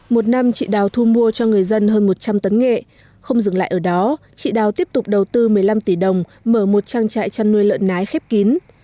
một năm chị đào thu mua cho người dân hơn một trăm linh tấn nghệ không dừng lại ở đó chị đào tiếp tục đầu tư một mươi năm tỷ đồng mở một trang trại chăn nuôi lợn nái khép kín